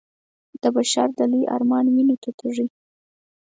د بشر د لوی ارمان وينو ته تږی